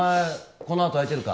このあと空いてるか？